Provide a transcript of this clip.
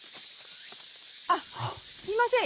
あっすみません。